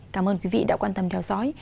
cảm ơn quý vị đã quan tâm theo dõi